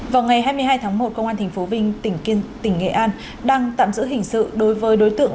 vào ngày hai mươi hai tháng một công an tp vinh tỉnh nghệ an đang tạm giữ hình sự đối với đối tượng